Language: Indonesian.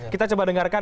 kita coba dengarkan